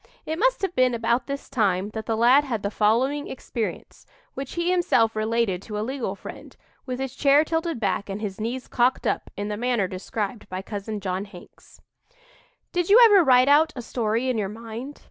It must have been about this time that the lad had the following experience, which he himself related to a legal friend, with his chair tilted back and his knees "cocked up" in the manner described by Cousin John Hanks: "Did you ever write out a story in your mind?